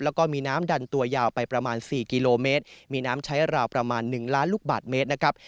แล้วก็มีน้ำดันตัวยาวไปประมาณ๔กิโลเมตรมีน้ำใช้ราวประมาณ๑ล้านลูกบาทเมตรนะครับ